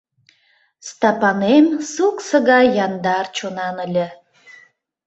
Стапанем суксо гай яндар чонан ыле.